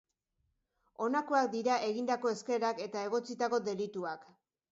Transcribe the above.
Honakoak dira egindako eskaerak eta egotzitako delituak.